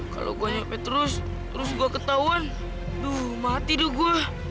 kalau saya nyampe terus terus saya ketahuan mati saya